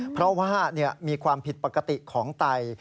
เพราะว่ามีความผิดปกติของไต